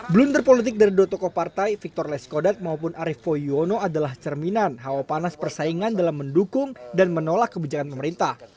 blunder politik dari dua tokoh partai victor leskodat maupun arief poyuono adalah cerminan hawa panas persaingan dalam mendukung dan menolak kebijakan pemerintah